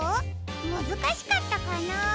むずかしかったかな？